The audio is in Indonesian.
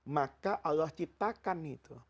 maka allah ciptakan itu